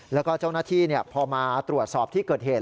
แล้วก็เจ้าหน้าที่พอมาตรวจสอบที่เกิดเหตุ